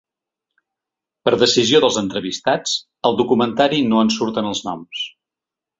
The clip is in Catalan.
Per decisió dels entrevistats, al documentari no en surten els noms.